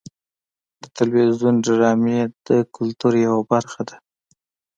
د تلویزیون ډرامې د کلتور یوه برخه ده.